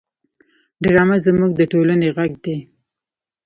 ډرامه زموږ د ټولنې غږ دی